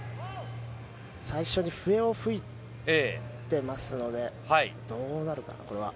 最初に笛を吹いてますので、どうなるかな。